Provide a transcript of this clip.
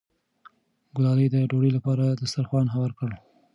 ګلالۍ د ډوډۍ لپاره دسترخوان هوار کړ.